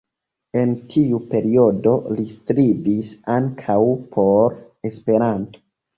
En tiu periodo li strebis ankaŭ por Esperanto.